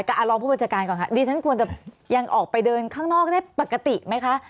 รองผู้บัญชาการก่อนค่ะดิฉันควรจะยังออกไปเดินข้างนอกได้ปกติไหมคะ